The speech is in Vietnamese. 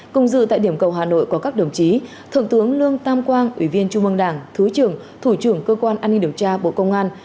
cùng dự tại điểm cầu hà nội có các đồng chí thượng tướng lương tam quang ủy viên trung mương đảng thứ trưởng thủ trưởng cơ quan an ninh điều tra bộ công an